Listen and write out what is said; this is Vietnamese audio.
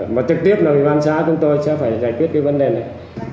mà trực tiếp là ủy ban xã chúng tôi sẽ phải giải quyết cái vấn đề này